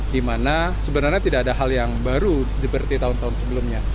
di mana sebenarnya tidak ada hal yang baru seperti tahun tahun sebelumnya